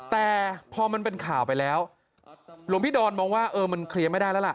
แต่พอมันเป็นข่าวไปแล้วหลวงพี่ดอนมองว่าเออมันเคลียร์ไม่ได้แล้วล่ะ